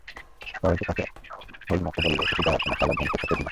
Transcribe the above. তাহলে তো তোকে হোলমুখো বললেও কিছু যায় আসে না, শালা ধোনচোষা চোদনা।